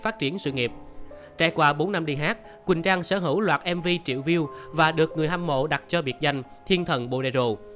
trải qua bốn năm đi hát quỳnh trang sở hữu loạt mv triệu view và được người hâm mộ đặt cho biệt danh thiên thần bồ đề rồ